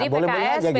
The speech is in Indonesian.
boleh boleh aja gitu